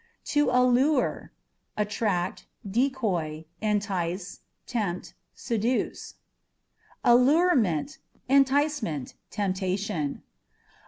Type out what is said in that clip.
To Allure â€" attract, decoy, entice, tempt, seduce. Allurement â€" enticement, temptation.